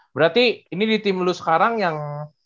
berarti ini di tim lo sekarang yang